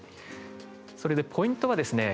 それでポイントはですね